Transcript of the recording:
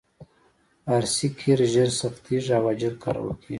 ار سي قیر ژر سختیږي او عاجل کارول کیږي